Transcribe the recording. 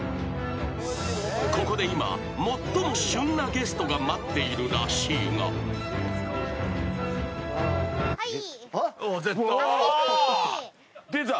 ［ここで今最も旬なゲストが待っているらしいが］うわ！出た！